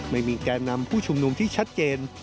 ไม่มีแก่นำผู้ชุมนุมที่ชัดเจน